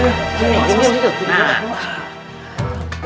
awas ini tuh